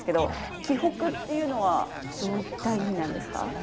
「驥北」っていうのはどういった意味なんですか？